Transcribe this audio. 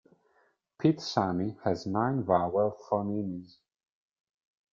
Pite Sami has nine vowel phonemes.